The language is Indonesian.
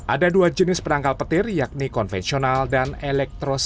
ada dua jenis penangkal petir yakni konvensional dan elektrosis